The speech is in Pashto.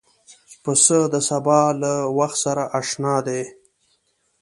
پسه د سبا له وخت سره اشنا دی.